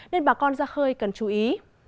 nên bà con ra khơi cần chú ý